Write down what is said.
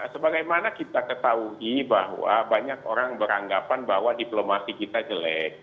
sebagaimana kita ketahui bahwa banyak orang beranggapan bahwa diplomasi kita jelek